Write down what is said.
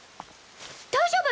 大丈夫！